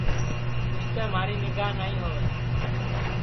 اُسپے مہاری نیگھا نائی ہووے